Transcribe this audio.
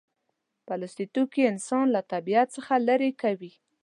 پلاستيکي توکي انسان له طبیعت څخه لرې کوي.